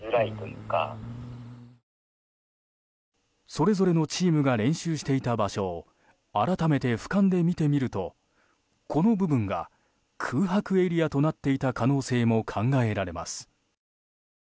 それぞれのチームが練習していた場所を改めて俯瞰で見てみるとこの部分が空白エリアとなっていた可能性も考えられます。